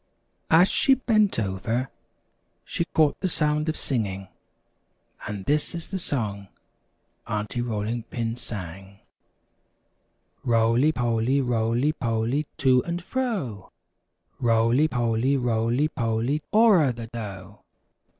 As she bent over, she caught the sound of singing, and this is the song Aunty Rolling Pin sang: "Roly poly, roly poly, To and fro, Roly poly, roly poly, O'er the dough.